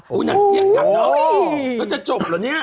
โอ้ยอย่าเสียงกันนะแล้วจะจบเหรอเนี่ย